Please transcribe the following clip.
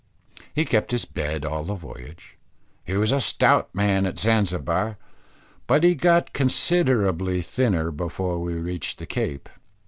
He kept his bed all the voyage. He was a stout man at Zanzibar, but he got considerably thinner, before we reached the Cape.